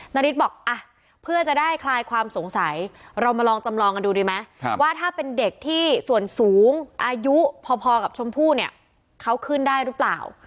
นาริสบอกอ่ะเพื่อจะได้คลายความสงสัยเรามาลองจำลองกันดูดีไหมว่าถ้าเป็นเด็กที่ส่วนสูงอายุพอกับชมพู่เนี่ยเขาขึ้นได้หรือเปล่า